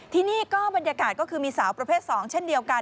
ที่นี่ก็บรรยากาศก็คือมีสาวประเภท๒เช่นเดียวกัน